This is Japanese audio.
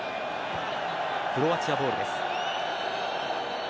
クロアチアボールです。